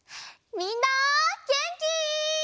みんなげんき？